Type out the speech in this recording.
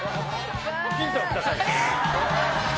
ヒントをください。